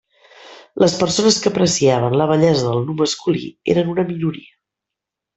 Les persones que apreciaven la bellesa del nu masculí eren una minoria.